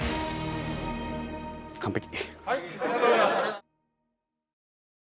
完璧。